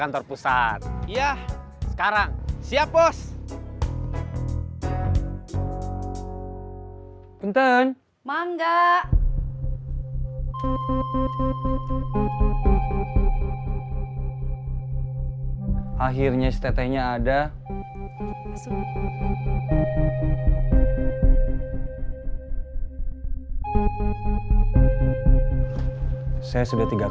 terima kasih buat infonya jang